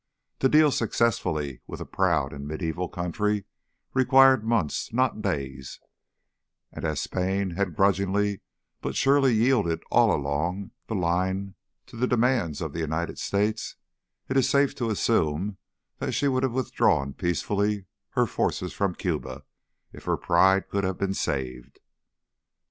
To deal successfully with a proud and mediaeval country required months, not days, and as Spain had grudgingly but surely yielded all along the line to the demands of the United States, it is safe to assume that she would have withdrawn peacefully her forces from Cuba if her pride could have been saved.